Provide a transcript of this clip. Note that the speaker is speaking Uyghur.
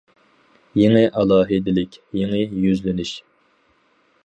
يېڭى ئالاھىدىلىك، يېڭى يۈزلىنىش.